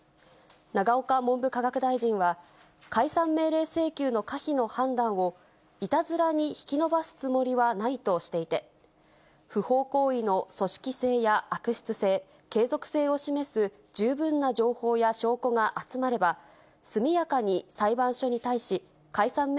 永岡文部科学大臣は、解散命令請求の可否の判断を、いたずらに引き延ばすつもりはないとしていて、不法行為の組織性や悪質性、継続性を示す十分な情報や証拠が全国の皆さん、こんばんは。